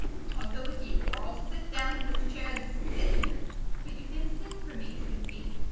I'll go with you, or I'll sit down on this chair, and sit here." "But you didn't send for me," said Kate.